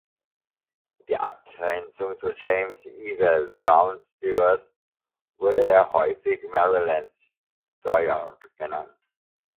In Abgrenzung zu James Ewell Brown Stuart wurde er häufig „Maryland Steuart“ genannt.